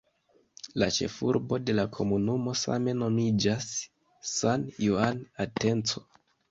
La ĉefurbo de la komunumo same nomiĝas "San Juan Atenco".